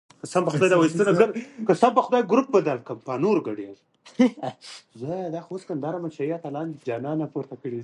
په افغانستان کې اوږده غرونه د خلکو د اعتقاداتو سره تړاو لري.